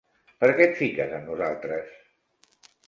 Per què et fiques amb nosaltres?